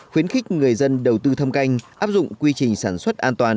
khuyến khích người dân đầu tư thâm canh áp dụng quy trình sản xuất an toàn